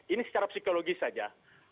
ini secara psikologis saja